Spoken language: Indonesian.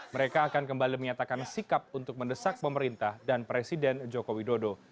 mereka akan kembali menyatakan sikap untuk mendesak pemerintah dan presiden joko widodo